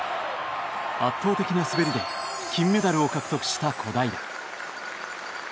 圧倒的な滑りで金メダルを獲得した小平。